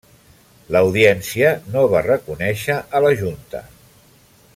L'audiència no va reconèixer a la Junta.